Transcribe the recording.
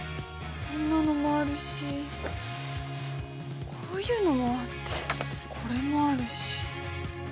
こんなのもあるしこういうのもあってこれもあるし。